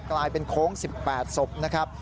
กลายเป็นโค้ง๑๘ศพนะครับ